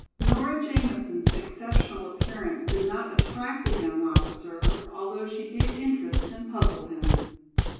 Nora Jamison's exceptional appearance did not attract the young officer, although she did interest and puzzle him.